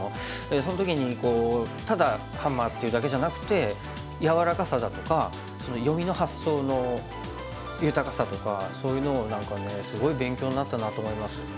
その時にこうただハンマーっていうだけじゃなくて柔らかさだとか読みの発想の豊かさとかそういうのを何かすごい勉強になったなと思います。